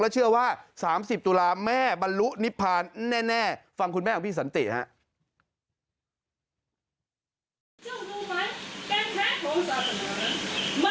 และเชื่อว่าสามสิบตุลาแม่บรรลุนิพพานแน่ฟังคุณแม่ของพี่สันตินะ